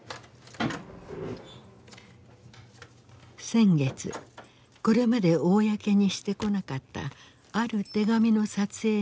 先月これまで公にしてこなかったある手紙の撮影が私たちに許された。